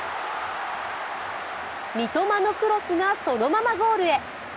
三笘のクロスがそのままゴールへ。